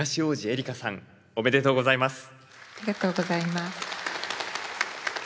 ありがとうございます。